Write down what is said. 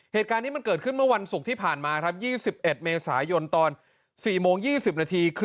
เหตุการณ์นี้มันเกิดขึ้นเมื่อวันศุกร์ที่ผ่านมาครับ๒๑เมษายนตอน๔โมง๒๐นาที